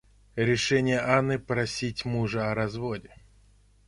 Решение Анны просить мужа о разводе.